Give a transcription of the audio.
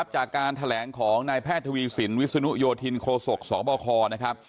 หลังจากการแถลงของหมาฯแพทธวีศีลวิสุโนโยธินโคโศกสบขนะครับ